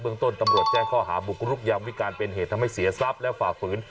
ต้นตำรวจแจ้งข้อหาบุกรุกยามวิการเป็นเหตุทำให้เสียทรัพย์และฝ่าฝืน